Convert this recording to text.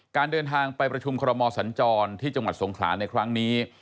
การเดินทางไปประชุมคอรมอสัญจรที่จังหวัดสงขลาในครั้งนี้